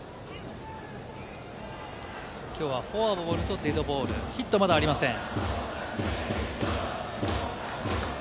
きょうはフォアボールとデッドボール、ヒットはまだありません。